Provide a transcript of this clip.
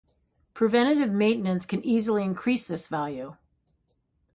Preventative maintenance can easily increase this value.